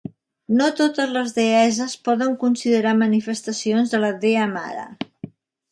No totes les deesses poden considerar manifestacions de la dea mare.